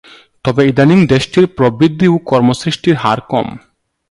তবে ইদানীং দেশটির প্রবৃদ্ধি ও কর্ম সৃষ্টির হার কম।